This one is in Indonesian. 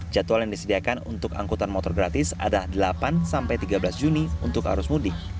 jadwal yang disediakan untuk angkutan motor gratis adalah delapan sampai tiga belas juni untuk arus mudik